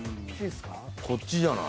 こっちじゃない？